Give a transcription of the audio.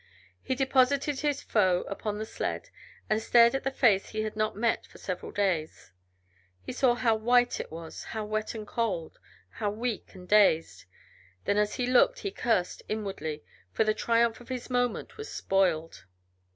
He deposited his foe upon the sled and stared at the face he had not met for many days. He saw how white it was, how wet and cold, how weak and dazed, then as he looked he cursed inwardly, for the triumph of his moment was spoiled.